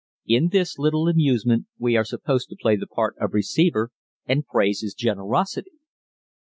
In this little amusement we are supposed to play the part of receiver and praise his generosity.